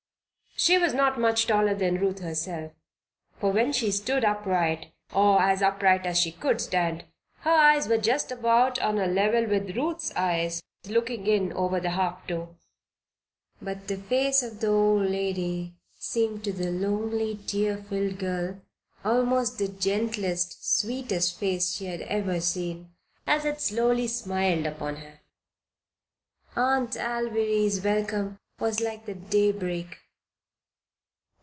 She was not much taller than Ruth herself, for when she stood upright or as upright as she could stand her eyes were just about on a level with Ruth's eyes looking in over the half door. But the face of the old lady seemed, to the lonely, tear filled girl, almost the gentlest, sweetest face she had ever seen, as it slowly smiled upon her. Aunt Alviry's welcome was like the daybreak.